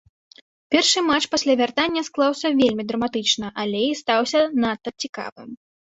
Першы матч пасля вяртання склаўся вельмі драматычна, але і стаўся надта цікавым.